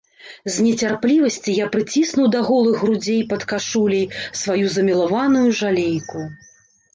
З нецярплівасці я прыціснуў да голых грудзей пад кашуляй сваю замілаваную жалейку.